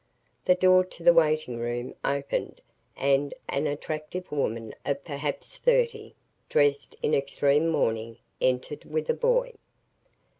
The door to the waiting room opened and an attractive woman of perhaps thirty, dressed in extreme mourning, entered with a boy.